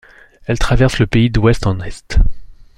Elle traverse le pays d'ouest en est.